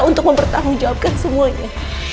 untuk mempertanggungjawabkan semuanya